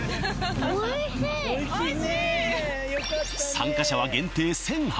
参加者は限定１００８